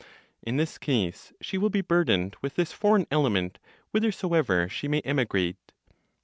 In this case, she will be burdened with this foreign element whithersoever she may emigrate.